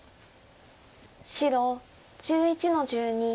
白１１の十二ノビ。